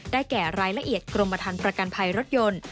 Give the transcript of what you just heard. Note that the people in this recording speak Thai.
แก่รายละเอียดกรมฐานประกันภัยรถยนต์